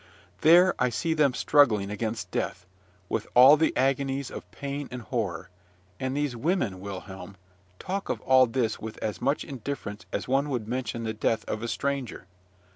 There I see them struggling against death, with all the agonies of pain and horror; and these women, Wilhelm, talk of all this with as much indifference as one would mention the death of a stranger.